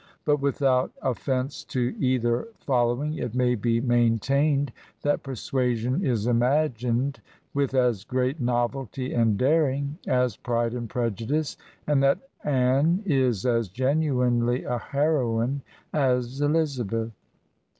But without oflFence to either follow ing, it may be maintained that " Persuasion " is im agined with as great novelty and daring as " Pride and Prejudice/' and that Anne is as genuinely a heroine as Elizabeth.